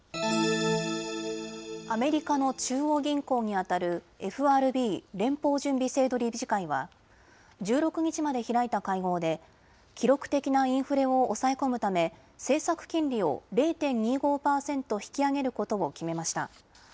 アメリカの中央銀行にあたるＦＲＢ、連邦準備制度理事会は１６日まで開いた会合で記録的なインフレを抑え込むため政策金利を０．２５パーセント引き上げることを決めました。